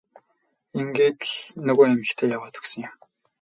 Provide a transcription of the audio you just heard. Ингээд л нөгөө эмэгтэй яваад өгсөн юм.